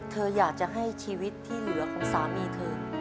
เธออยากจะให้ชีวิตที่เหลือของสามีเธอ